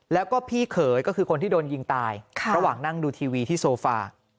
แล้วก็พี่เขยก็คือคนที่โดนยิงตายระหว่างนั่งดูทีวีที่โซฟา